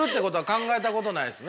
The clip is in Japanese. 考えたことないですね。